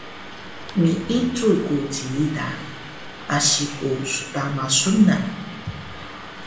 Miicu ku ciida, asi ku stama sunan